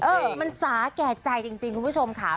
มันสาแก่ใจจริงคุณผู้ชมค่ะ